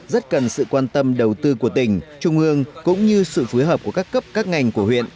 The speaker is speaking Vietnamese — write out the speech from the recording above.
rất cần sự quan tâm đầu tư của tỉnh trung ương cũng như sự phối hợp của các cấp các ngành của huyện